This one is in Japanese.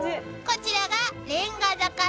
［こちらが］